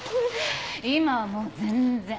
今はもう全然。